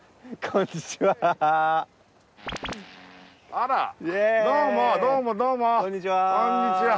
こんにちは。